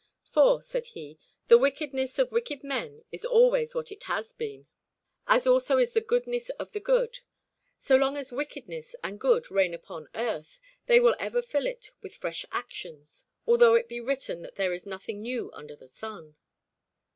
"For," said he, "the wickedness of wicked men is always what it has been, as also is the goodness of the good. So long as wickedness and good reign upon earth, they will ever fill it with fresh actions, although it be written that there is nothing new under the sun.